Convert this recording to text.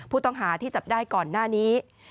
ผู้ต้องหาที่จับได้ก่อนหน้านี้